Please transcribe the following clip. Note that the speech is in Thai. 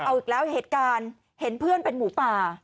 เอาอีกแล้วเหตุการณ์เห็นเพื่อนเป็นหมูป่า